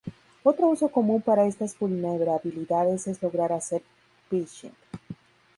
Otro uso común para estas vulnerabilidades es lograr hacer phishing.